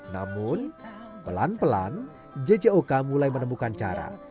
namun pelan pelan jcok mulai menemukan cara